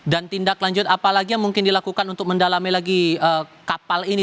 tindak lanjut apa lagi yang mungkin dilakukan untuk mendalami lagi kapal ini